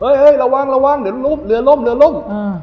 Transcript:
เฮ้ยเห้ยเห้ยระวังระวังเดี๋ยวเรือล่มเดี๋ยวเรือล่ม